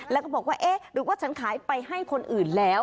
แล้วก็บอกว่าเอ๊ะหรือว่าฉันขายไปให้คนอื่นแล้ว